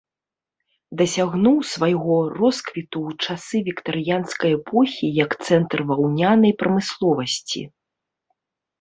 Дасягнуў свайго росквіту ў часы віктарыянскай эпохі як цэнтр ваўнянай прамысловасці.